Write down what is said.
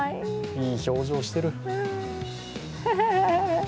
いい表情してる。